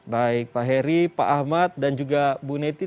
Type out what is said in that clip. baik pak heri pak ahmad dan juga bu neti